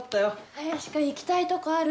林くん行きたいとこある？